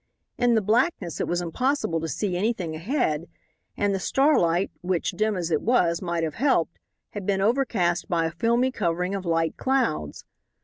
In the blackness it was impossible to see anything ahead, and the starlight, which, dim as it was, might have helped, had been overcast by a filmy covering of light clouds.